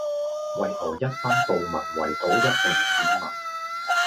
為何一班暴民圍堵一名市民